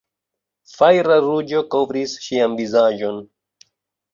Fajra ruĝo kovris ŝian vizaĝon.